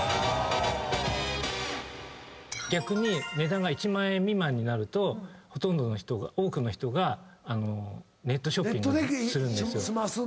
逆に値段が１万円未満になるとほとんどの多くの人がネットショッピングにするんですよ。